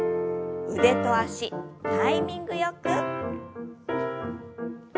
腕と脚タイミングよく。